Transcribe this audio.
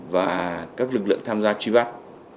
và các lực lượng tham gia truy bắt